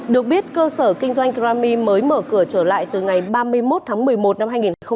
được biết cơ sở kinh doanh krami mới mở cửa trở lại từ ngày ba mươi một tháng một mươi một năm hai nghìn hai mươi